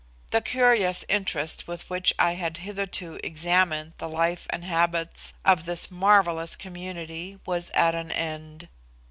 The curious interest with which I had hitherto examined the life and habits of this marvellous community was at an end.